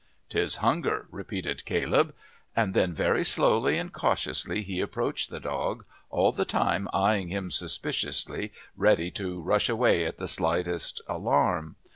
"'Tis hunger," repeated Caleb, and then very slowly and cautiously he approached, the dog all the time eyeing him suspiciously, ready to rush away on the slightest alarm.